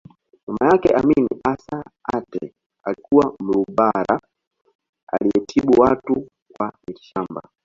Mama yake Amin Assa Aatte alikuwa Mlugbara aliyetibu watu kwa mitishamba